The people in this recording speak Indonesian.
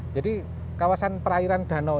jadi kawasan perairan danau